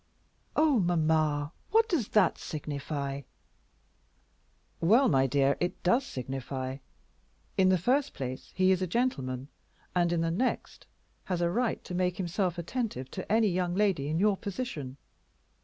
"Oh, mamma, what does that signify?" "Well, my dear, it does signify. In the first place, he is a gentleman, and in the next, has a right to make himself attentive to any young lady in your position.